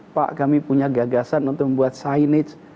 pak kami punya gagasan untuk membuat signage